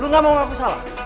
lo gak mau ngaku salah